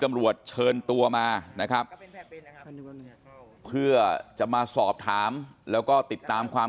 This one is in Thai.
ตำรวจเชิญตัวมานะครับเพื่อจะมาสอบถามแล้วก็ติดตามความ